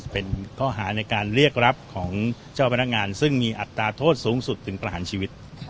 เป็นข้อหาในการเรียกรับของเจ้าพนักงานซึ่งมีอัตราโทษสูงสุดถึงประหารชีวิต